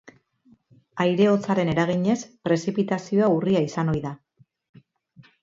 Aire hotzaren eraginez, prezipitazioa urria izan ohi da.